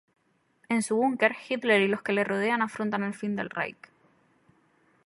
En su bunker, Hitler y los que le rodean afrontan el fin del Reich.